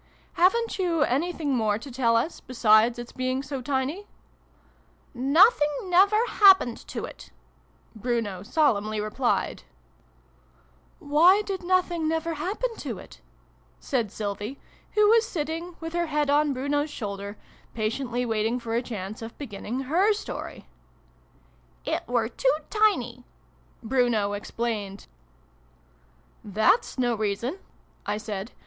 " Haven't you anything more to tell us, besides its being so tiny ?"" Nothing never happened to it," Bruno solemnly replied. xiv] BRUNO'S PICNIC. 213 " Why did nothing never happen to it ?" said Sylvie, who was sitting, with her head on Bruno's shoulder, patiently waiting for a chance of beginning her story. " It were too tiny," Bruno explained. ''That's no reason!" I said.